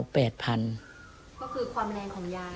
ก็คือความแรงของยาย